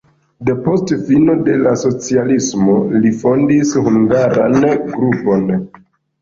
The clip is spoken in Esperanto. Depost fino de la socialismo li fondis hungaran grupon.